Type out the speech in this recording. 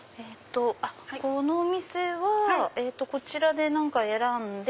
この店はこちらで何か選んで。